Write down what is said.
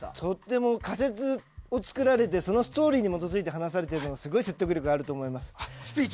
仮説を作られてそのストーリーに基づいて話されているのですごい説得力がある気がします。